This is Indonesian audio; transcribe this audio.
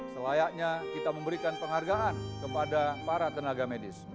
selayaknya kita memberikan penghargaan kepada para tenaga medis